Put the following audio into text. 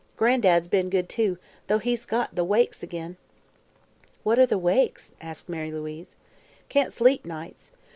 Gran'dad's been good, too, 'though he's got the 'wakes' ag'in." "What are the 'wakes'?" asked Mary Louise. "Can't sleep nights.